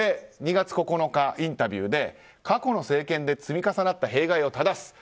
２月９日、インタビューで過去の政権で積み重なった弊害をただす。